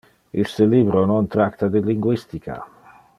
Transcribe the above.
Iste libro non tracta de linguistica.